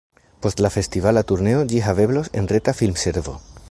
Post la festivala turneo ĝi haveblos en reta filmservo.